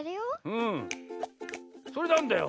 うん。それなんだよ？